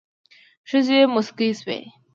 ښځې موسکې شوې.